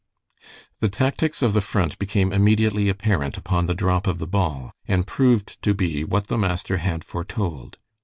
The tactics of the Front became immediately apparent upon the drop of the ball, and proved to be what the master had foretold.